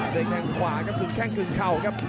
เสียงแค่งขวาถึงแค่งถึงเข่าก็ครับ